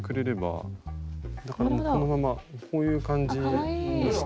だからこのままこういう感じにして。